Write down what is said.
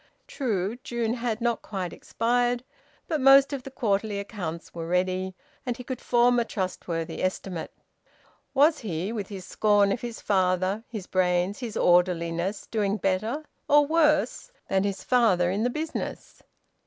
True, June had not quite expired, but most of the quarterly accounts were ready, and he could form a trustworthy estimate. Was he, with his scorn of his father, his brains, his orderliness, doing better or worse than his father in the business?